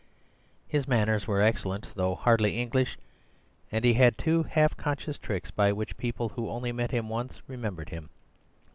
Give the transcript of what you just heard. His manners were excellent, though hardly English, and he had two half conscious tricks by which people who only met him once remembered him.